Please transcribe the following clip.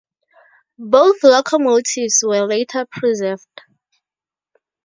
Both locomotives were later preserved.